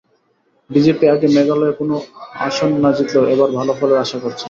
BJP আগে মেঘালয়ে কোনো আসন না জিতলেও এবার ভালো ফলের আশা করছে।